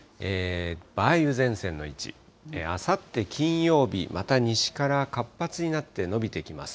梅雨前線の位置、あさって金曜日、また西から活発になって延びてきます。